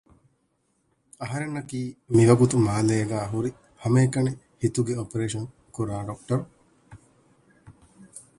އަހަންނަކީ މިވަގުތު މާލޭގައި ހުރި ހަމައެކަނި ހިތުގެ އޮޕަރޭޝަން ކުރާ ޑޮކްޓަރު